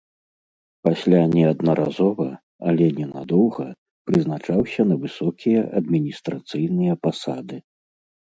Пасля неаднаразова, але ненадоўга прызначаўся на высокія адміністрацыйныя пасады.